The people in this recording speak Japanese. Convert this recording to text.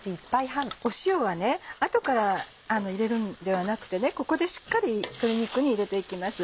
塩は後から入れるんではなくてここでしっかり鶏肉に入れて行きます。